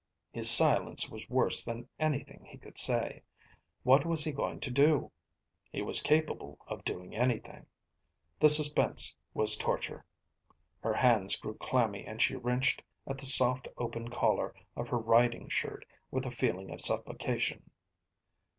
His silence was worse than anything he could say. What was he going to do? He was capable of doing anything. The suspense was torture. Her hands grew clammy and she wrenched at the soft open collar of her riding shirt with a feeling of suffocation.